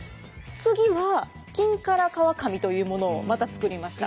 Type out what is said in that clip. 次は金唐革紙というものをまた作りました。